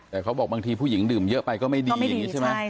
แต่เขาบอกบางทีผู้หญิงดื่มเยอะไปก็ไม่ดีอย่างนี้ใช่ไหม